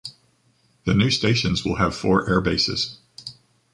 The new stations will have four airbases.